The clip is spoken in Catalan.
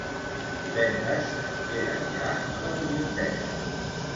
Divendres en Quer anirà a la biblioteca.